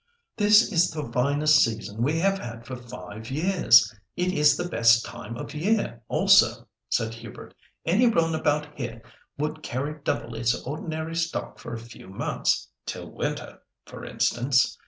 "This is the finest season we have had for five years. It is the best time of year also," said Hubert. "Any run about here would carry double its ordinary stock for a few months—till winter, for instance.